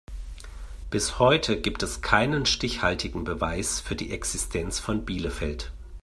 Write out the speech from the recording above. Bis heute gibt es keinen stichhaltigen Beweis für die Existenz von Bielefeld.